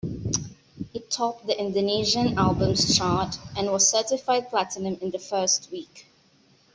It topped the Indonesian Albums Chart and was certified platinum in the first week.